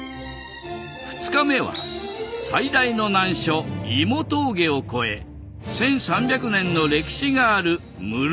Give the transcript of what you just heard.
２日目は最大の難所芋峠を越え１，３００年の歴史がある室生寺へ。